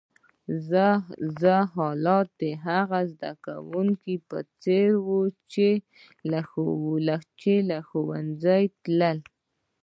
زما حالت د هغه زده کونکي په څېر وو، چي له ښوونځۍ نه تللی.